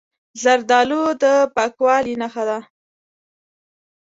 زردالو د پاکوالي نښه ده.